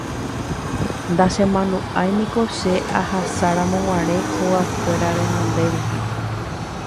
nachemandu'áiniko che ahasáramoguare hogakuéra renonde rupi